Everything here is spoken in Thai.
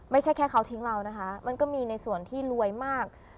ไม่ใช่แค่เขาทิ้งเรานะคะมันก็มีในส่วนที่รวยมาก